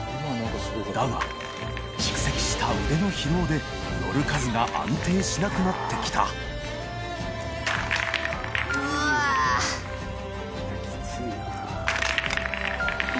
磴世蓄積した腕の疲労で茲訖瑤安定しなくなってきた森川）